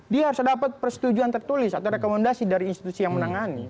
dia harus dapat persetujuan tertulis atau rekomendasi dari institusi yang menangani